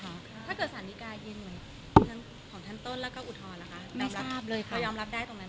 ถ้าเกิดสรรค์นิกายเย็นเหมือนของท่านต้นแล้วก็อุทธรณ์ล่ะคะ